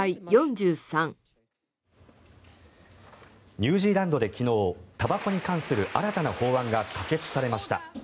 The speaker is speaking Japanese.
ニュージーランドで昨日たばこに関する新たな法案が可決されました。